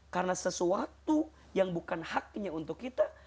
karena sesuatu yang bukan haknya untuk kita